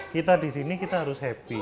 kita di sini kita harus happy